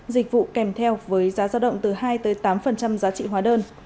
dịch vụ kèm theo với giá giao động từ hai tám giá trị hóa đơn